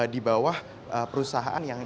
di bawah perusahaan yang